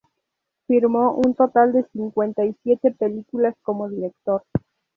Firmó un total de cincuenta y siete películas como director.